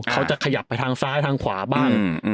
ขยับไปทางซ้ายทางขวาบ้าง